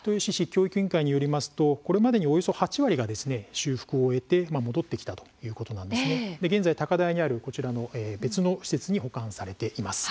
教育委員会によりますと、これまでにおよそ８割が修復を終えて戻ってきたということで現在、高台にある別の施設に保管されています。